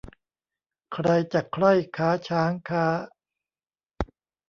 ใครจักใคร่ค้าช้างค้า